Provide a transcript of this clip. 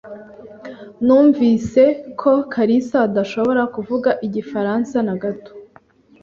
Numvise ko Kalisa adashobora kuvuga igifaransa na gato.